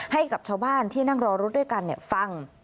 ให้กับชาวบ้านที่นั่งรอรถด้วยกันฟัง